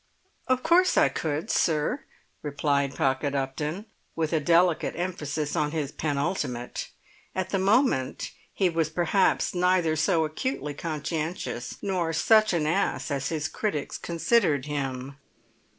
"Of course I could, sir," replied Pocket Upton, with a delicate emphasis on his penultimate. At the moment he was perhaps neither so acutely conscientious nor such an ass as his critics considered him.